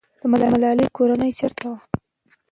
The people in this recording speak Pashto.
د ملالۍ کورنۍ چېرته وه؟